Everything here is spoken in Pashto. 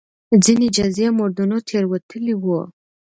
ځینې جزئي موردونو تېروتلي وو.